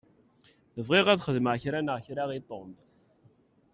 Bɣiɣ ad xedmeɣ kra neɣ kra i Tom.